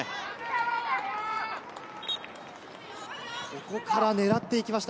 ここから狙っていきました。